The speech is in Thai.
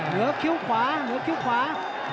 เหลือคิ้วขวาเหลือคิ้วขวา